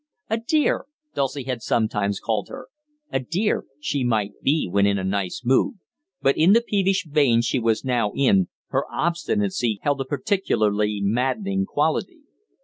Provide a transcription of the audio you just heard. "A dear" Dulcie had sometimes called her. "A dear" she might be when in a nice mood, but in the peevish vein she was now in, her obstinacy held a particularly maddening quality.